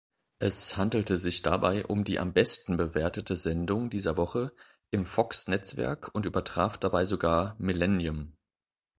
Es handelte sich dabei um die am besten bewertete Sendung dieser Woche im Fox-Netzwerk und übertraf dabei sogar „Millennium“.